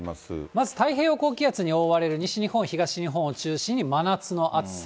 まず太平洋高気圧に覆われる西日本、東日本を中心に真夏の暑さ。